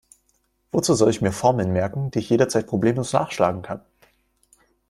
Wozu soll ich mir Formeln merken, die ich jederzeit problemlos nachschlagen kann?